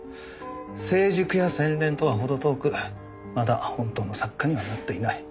成熟や洗練とはほど遠くまだ本当の作家にはなっていない。